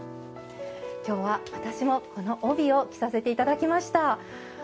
きょうは、私もこの帯を着させていただきました。